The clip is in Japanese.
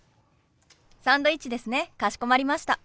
サンドイッチですねかしこまりました。